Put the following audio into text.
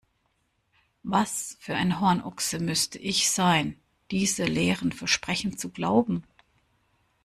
Was für ein Hornochse müsste ich sein, diese leeren Versprechen zu glauben!